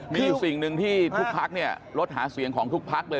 มีสิ่งหนึ่งที่ทุกพักลดหาเสียงของทุกพักเลย